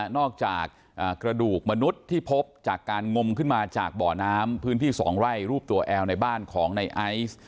กระดูกมนุษย์ที่พบจากการงมขึ้นมาจากบ่อน้ำพื้นที่๒ไร่รูปตัวแอลในบ้านของในไอซ์